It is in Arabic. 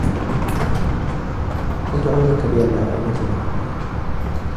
كنت عوناً كبيراً لعائلتنا.